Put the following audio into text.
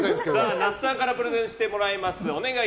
那須さんからプレゼンしていただきます。